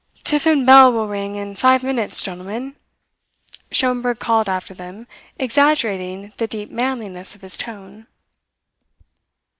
"Tiffin bell will ring in five minutes, gentlemen." Schomberg called after them, exaggerating the deep manliness of his tone.